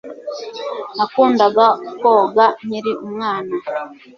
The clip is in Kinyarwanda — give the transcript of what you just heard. Nakundaga koga nkiri umwana.